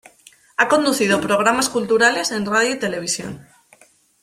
Ha conducido programas culturales en radio y televisión.